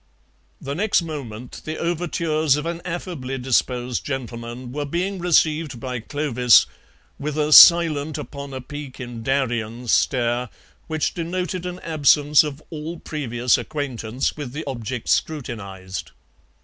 The next moment the overtures of an affably disposed gentleman were being received by Clovis with a "silent upon a peak in Darien" stare which denoted an absence of all previous acquaintance with the object scrutinized.